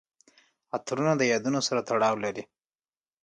عطرونه د یادونو سره تړاو لري.